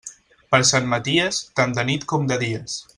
Per Sant Maties, tant de nit com de dies.